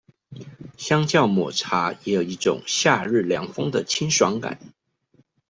相較抹茶也有一種夏日涼風的清爽感